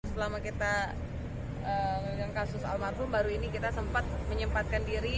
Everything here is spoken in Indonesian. selama kita menganggap kasus almarhum baru ini kita sempat menyempatkan diri